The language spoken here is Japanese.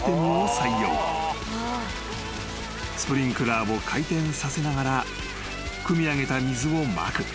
［スプリンクラーを回転させながらくみ上げた水をまく。